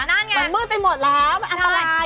มันมืดไปหมดแล้วมันอันตราย